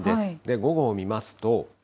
午後を見ますと。